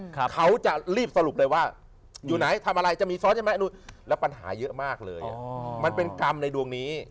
เขาจะรีบสรุปเลยว่าอยู่ไหนทำอะไรจะมีซ้อนใช่ไหมนู่นแล้วปัญหาเยอะมากเลยมันเป็นกรรมในดวงนี้